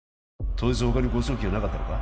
当日他に誤送金はなかったのか？